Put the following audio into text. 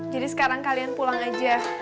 jadi sekarang kalian pulang aja